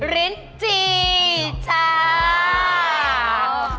รินจี้ชาว